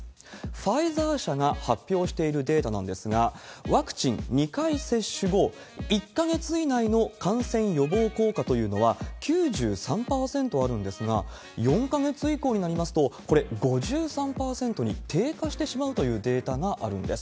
ファイザー社が発表しているデータなんですが、ワクチン２回接種後、１か月以内の感染予防効果というのは９３％あるんですが、４か月以降になりますと、これ、５３％に低下してしまうというデータがあるんです。